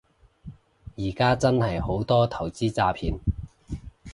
而家真係好多投資詐騙